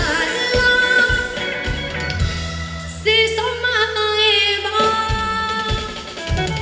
ขาดล้อมสี่สองมาตายบอก